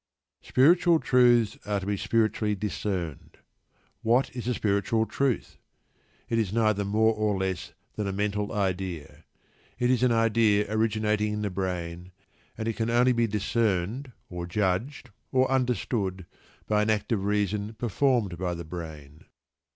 Spiritual truths are to be spiritually discerned. What is a "spiritual truth"? It is neither more nor less than a mental idea. It is an idea originating in the brain, and it can only be "discerned," or judged, or understood, by an act of reason performed by the brain.